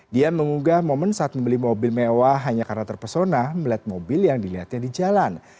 dia mengunggah momen saat membeli mobil mewah hanya karena terpesona melihat mobil yang dilihatnya di jalan